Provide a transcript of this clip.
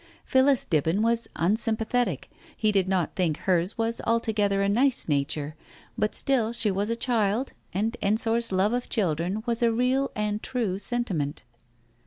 Phillis Dibben was unsympa thetic, he did not think hers was altogether a nice nature, but still she was a child, and Ensor's love of children was a real and true sentiment.